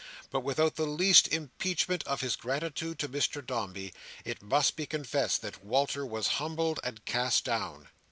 But without the least impeachment of his gratitude to Mr Dombey, it must be confessed that Walter was humbled and cast down.